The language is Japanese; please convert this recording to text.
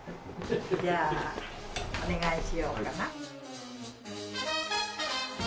じゃあお願いしようかな。